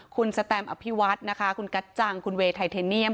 คุณสแตมอภิวัฒน์นะคะคุณกัจจังคุณเวย์ไทเทเนียม